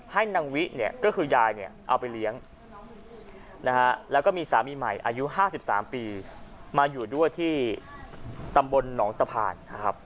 ให้แนนวิเอาไปเลี้ยงสามีใหม่อายุ๕๓ปีอยู่ด้วยของตำบลหนองตะพาน